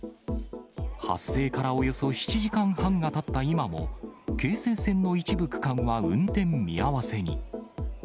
発生からおよそ７時間半がたった今も、京成線の一部区間は、運転見合わせに。